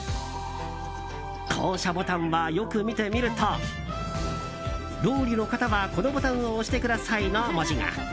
降車ボタンは、よく見てみるとロウリュの方は、このボタンを押してくださいの文字が。